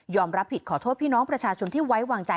รับผิดขอโทษพี่น้องประชาชนที่ไว้วางใจ